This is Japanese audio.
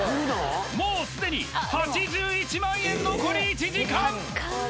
もうすでに８１万円残り１時間！